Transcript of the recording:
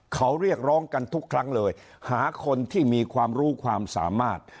เขาเรียกร้องกันทุกครั้งเลยหาคนที่มีความรู้ความสามารถ